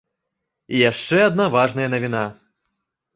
Яшчэ адна важная навіна.